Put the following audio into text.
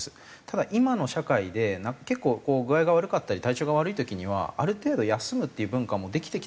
ただ今の社会で結構具合が悪かったり体調が悪い時にはある程度休むっていう文化もできてきたと思うんですよね。